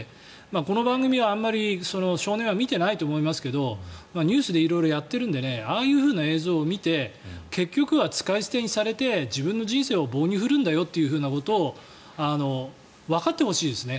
この番組はあまり少年は見てないと思いますけどニュースで色々やってるのでああいうふうな映像を見て結局使い捨てにされて自分の人生を棒に振るんだよということをわかってほしいですね。